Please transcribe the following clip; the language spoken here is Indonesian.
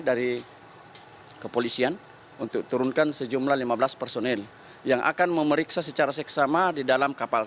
dari kepolisian untuk turunkan sejumlah lima belas personil yang akan memeriksa secara seksama di dalam kapal